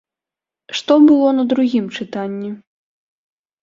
Што было на другім чытанні?